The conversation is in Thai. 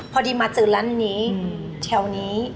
พอดีมาเจอร้านนี้แถวนี้